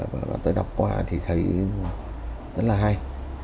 và tôi đọc qua thì thấy rất là hay